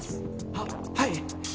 ははい。